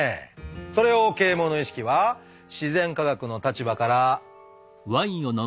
それを啓蒙の意識は自然科学の立場から。